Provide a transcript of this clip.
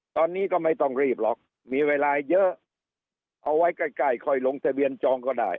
ตอนนี้ก็ไม่ต้องรีบหรอกมีเวลาเยอะเอาไว้ใกล้ค่อยลงทะเบียนจองก็ได้